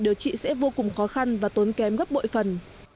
điều trị sẽ vô cùng khó khăn và tốn kém gấp bội phần